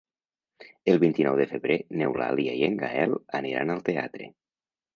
El vint-i-nou de febrer n'Eulàlia i en Gaël aniran al teatre.